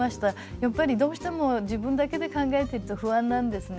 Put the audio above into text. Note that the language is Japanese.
やっぱりどうしても自分だけで考えてると不安なんですね。